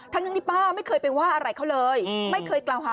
ทั้งที่ป้าไม่เคยไปว่าอะไรเขาเลยไม่เคยกล่าวหา